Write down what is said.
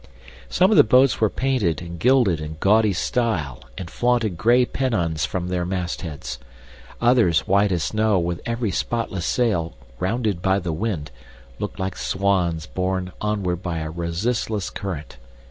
Some of the boats were painted and gilded in gaudy style and flaunted gay pennons from their mastheads; others, white as snow, with every spotless sail rounded by the wind, looked like swans borne onward by a resistless current.